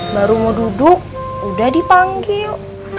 baru mau duduk udah dipanggil